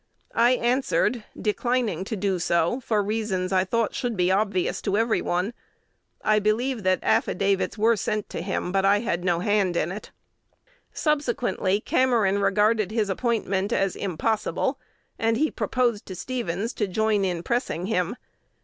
I answered, declining to do so for reasons I thought should be obvious to every one. I believe that affidavits were sent to him, but I had no hand in it. "Subsequently Cameron regarded his appointment as impossible, and he proposed to Stevens to join in pressing him.